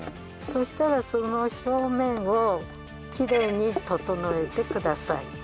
そしたらその表面をきれいに整えてください。